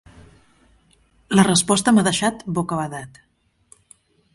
La resposta m’ha deixat bocabadat.